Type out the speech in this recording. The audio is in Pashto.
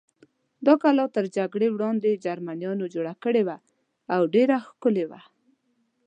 دا کلا تر جګړې وړاندې جرمنیان جوړه کړې وه او ډېره ښکلې وه.